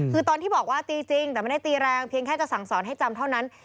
คือตอนที่บอกว่าตีจริงแต่ไม่ได้ตีแรงเพียงแค่จะสั่งสอนให้จำเท่านั้น